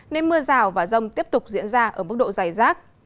nên mưa rào và rông tiếp tục diễn ra ở mức độ dài rác